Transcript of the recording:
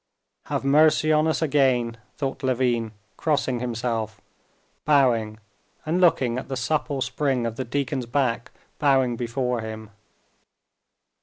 "Have mercy on us again!" thought Levin, crossing himself, bowing, and looking at the supple spring of the deacon's back bowing before him.